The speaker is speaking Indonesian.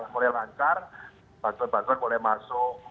mulai lancar bantuan bantuan mulai masuk